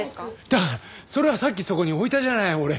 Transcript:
だからそれはさっきそこに置いたじゃない俺。